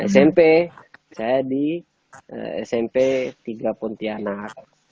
smp saya di smp tiga pontianak